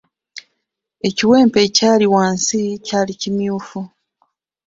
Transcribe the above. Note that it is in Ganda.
Ekiwempe ekyali wansi, kyali kimyufu.